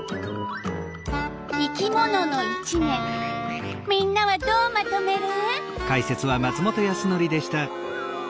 生き物の１年みんなはどうまとめる？